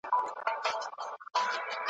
بېلوبېلو بادارانوته رسیږي ,